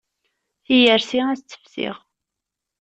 Tiyersi ad as-tt-fsiɣ.